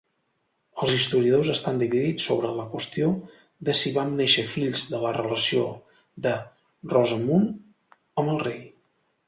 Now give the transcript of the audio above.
Els historiadors estan dividits sobre la qüestió de si van néixer fills de la relació de Rosamund amb el rei.